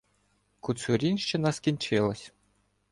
Коцурінщина скінчилася.